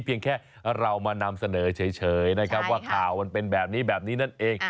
เพียงแค่เรามานำเสนอเฉยนะครับว่าข่าวมันเป็นแบบนี้แบบนี้นั่นเอง